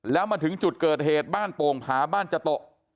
แล้วมาถึงจุดเกิดเหตุบ้านโป่งผาบ้านจโต